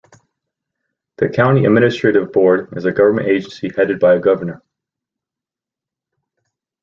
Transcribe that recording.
The County Administrative Board is a Government agency headed by a Governor.